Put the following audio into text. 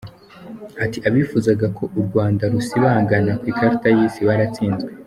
Ati "Abifuzaga ko u Rwanda rusibangana ku ikarita y’isi baratsinzwe.